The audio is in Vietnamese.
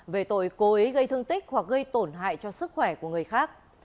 về tội cố ý gây thương tích hoặc gây tổn hại cho sức khỏe của người khác